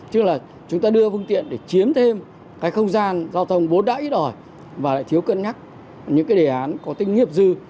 chứ là chúng ta đưa phương tiện để chiếm thêm cái không gian giao thông bốn đã ít rồi và lại thiếu cân nhắc những cái đề án có tính nghiệp dư